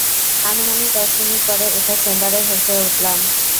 আনুমানিক দশ মিনিট পরে, একটা চেম্বারে ভেসে উঠলাম।